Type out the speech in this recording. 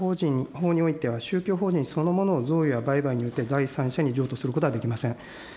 宗教法人法においては、宗教法人そのものを贈与や売買によって第三者に譲渡することはできません。